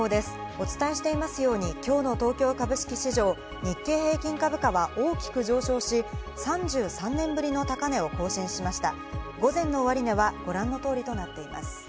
お伝えしていますように今日の東京株式市場、日経平均株価は大きく上昇し、３３年ぶりの高値を更新しました。